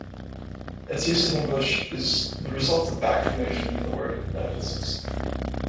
Its use in English is the result of back-formation from the word "metaphysics".